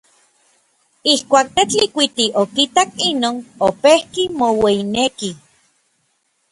Ijkuak Tetlikuiti okitak inon, opejki moueyineki.